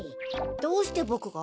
どうしてボクが？